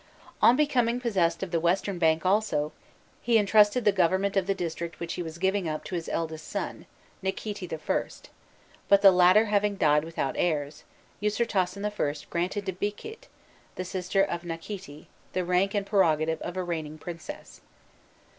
On becoming possessed of the western bank also, he entrusted the government of the district which he was giving up to his eldest son, Nakhîti I.; but, the latter having died without heirs, Usirtasen I. granted to Biqît, the sister of Nakhîti, the rank and prerogative of a reigning princess.